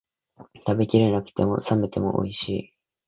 食べきれなくても、冷めてもおいしい